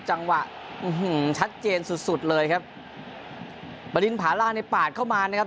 จังหวะอื้อหือชัดเจนสุดสุดเลยครับประดิษฐ์ผาล่าในปากเข้ามานะครับ